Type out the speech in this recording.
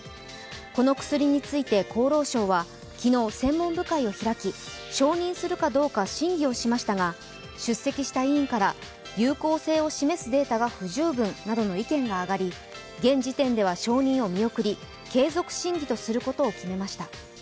この薬について厚労省は昨日、専門部会を開き、承認するかどうか審議をしましたが、出席した委員から有効性を示すデータが不十分などの意見があがり現時点では承認を見送り、継続審議とすることを決めました。